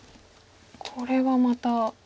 これはまた。